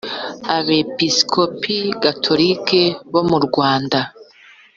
Abepisikopi Gatolika bo mu Rwanda